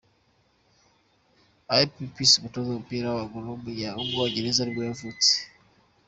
Ian Pearce, umutoza w’umupira w’amaguru w’umwongereza nibwo yavutse.